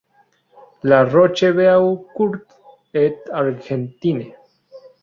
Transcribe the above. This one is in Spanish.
La Rochebeaucourt-et-Argentine